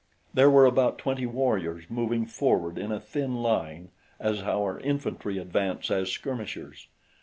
There were about twenty warriors moving forward in a thin line, as our infantry advance as skirmishers.